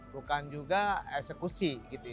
bukan juga eksekusi